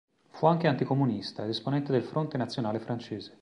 Fu anche anticomunista ed esponente del Fronte Nazionale Francese.